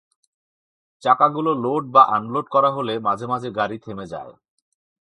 চাকাগুলো লোড বা আনলোড করা হলে মাঝে মাঝে গাড়ি থেমে যায়।